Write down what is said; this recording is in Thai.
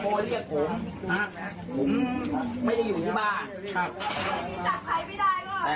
ผมไม่ได้รู้เรื่องอะไร